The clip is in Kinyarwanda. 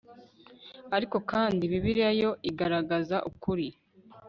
ariko kandi bibiliya yo igaragaza ukuri